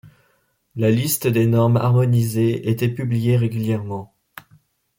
La liste des normes harmonisées était publiée régulièrement.